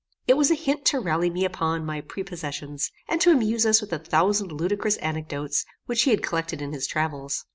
It was a hint to rally me upon my prepossessions, and to amuse us with a thousand ludicrous anecdotes which he had collected in his travels.